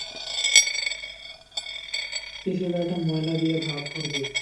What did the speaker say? রিসিভারটা ময়লা দিয়ে ভরবি।